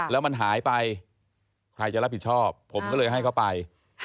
แล้วมันหายไปใครจะรับผิดชอบผมก็เลยให้เขาไป